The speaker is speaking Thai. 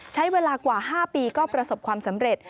ใช้เวลากว่า๕ปีก็ประสบความสำเร็จ